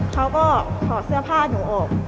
เขาก็ถอดเสื้อผ้าหนูออก